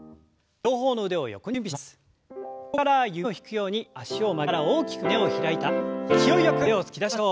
ここから弓を引くように脚を曲げながら大きく胸を開いたら勢いよく腕を突き出しましょう。